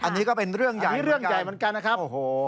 อันนี้ก็เป็นเรื่องใหญ่เหมือนกันนะครับโอ้โฮ